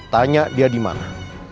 tanya dia dimana